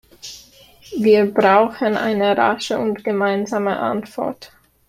Wir brauchen eine rasche und gemeinsame Antwort.